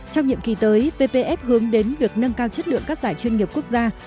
trong nhiệm kỳ tới ppf hướng đến việc nâng cao chất lượng các giải chuyên nghiệp quốc gia